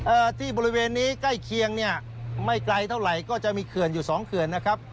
ที่บริเวณนี้ใกล้เคียงเนี่ยไม่ไกลเท่าไหร่ก็จะมีเขื่อนอยู่สองเขื่อนนะครับ